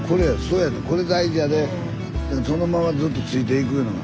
そのままずっとついていくいうのが。